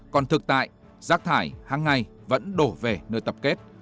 còn thực tại rác thải hàng ngày vẫn đổ về nơi tập kết